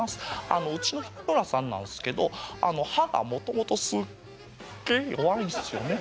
あのうちの日村さんなんすけどあの歯がもともとすっげえ弱いんすよね。